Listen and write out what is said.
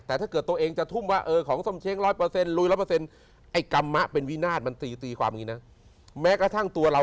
แต่ถ้าเกิดตัวเองจะทุ่มว่าเออของสมเช่ง๑๐๐ลุย๑๐๐